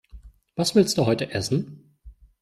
Was willst Du heute essen?